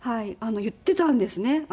言っていたんですね。